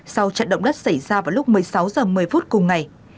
sau trận động đất xảy ra vào lúc một mươi sáu h một mươi phút cùng ngày